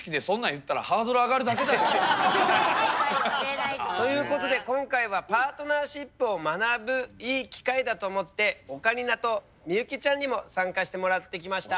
言ったらハードル上がるだけだよ。ということで今回はパートナーシップを学ぶいい機会だと思ってオカリナと幸ちゃんにも参加してもらってきました。